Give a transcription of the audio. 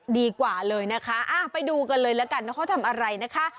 ดีกว่าเลยนะคะเขาทำอะไรนะคะ